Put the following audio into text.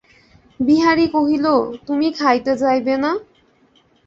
বিহারী কহিল, তুমি খাইতে যাইবে না?